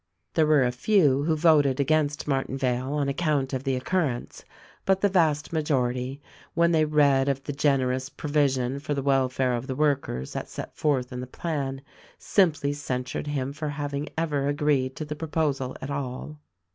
There were a few who voted against Martinvale on ac count of the occurrence; but the vast majority, when they read of the generous provision for the welfare of the workers as set forth in the plan, simply censured him for having ever agreed to the proposal at all.